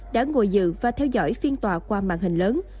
đã ngồi dự và theo dõi phiên tòa qua màn hình lớn